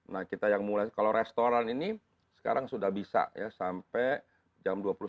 nah kita yang mulai kalau restoran ini sekarang sudah bisa ya sampai jam dua puluh satu